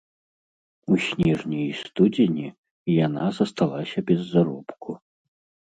У снежні і студзені яна засталася без заробку.